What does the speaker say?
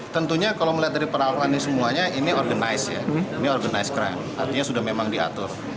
tentunya kalau melihat dari perawanan ini semuanya ini organisasi ya ini organisasi krim artinya sudah memang diatur